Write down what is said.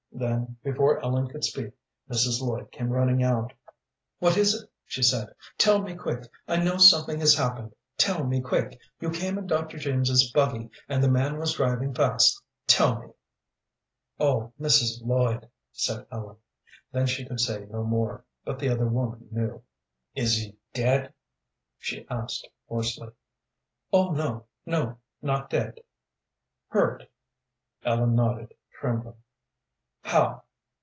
Then, before Ellen could speak, Mrs. Lloyd came running out. "What is it?" she said. "Tell me quick. I know something has happened. Tell me quick. You came in Dr. James's buggy, and the man was driving fast. Tell me." "Oh, Mrs. Lloyd," said Ellen. Then she could say no more, but the other woman knew. "Is he dead?" she asked, hoarsely. "Oh, no, no, not dead." "Hurt?" Ellen nodded, trembling. "How?"